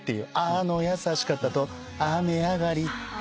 「あの優しかった」と「雨上がり」